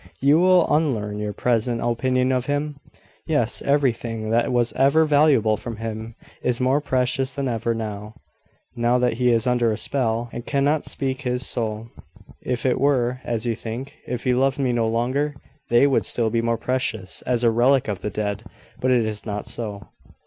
"You will unlearn your present opinion of him. Yes; everything that was ever valuable from him is more precious than ever now, now that he is under a spell, and cannot speak his soul. If it were, as you think, if he loved me no longer, they would be still more precious, as a relic of the dead. But it is not so."